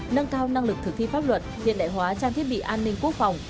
nâng cao năng lực thực thi pháp luật hiện đại hóa trang thiết bị an ninh quốc phòng